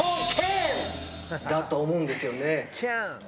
だと思うんですよね。